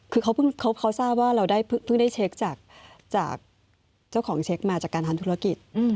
คือเขาเพิ่งเขาเขาทราบว่าเราได้เพิ่งได้เช็คจากจากเจ้าของเช็คมาจากการทานธุรกิจอืม